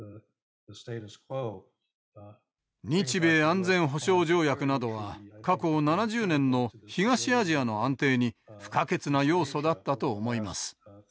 日米安全保障条約などは過去７０年の東アジアの安定に不可欠な要素だったと思います。